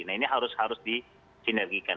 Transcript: nah ini harus disinergikan